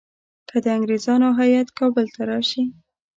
که د انګریزانو هیات کابل ته راشي.